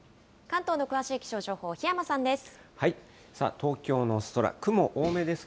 関東の詳しい気象情報、檜山さんです。